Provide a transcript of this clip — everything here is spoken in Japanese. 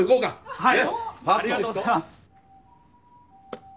はい？